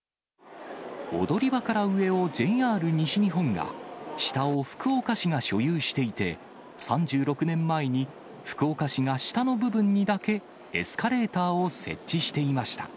踊り場から上をＪＲ西日本が、下を福岡市が所有していて、３６年前に福岡市が下の部分にだけエスカレーターを設置していました。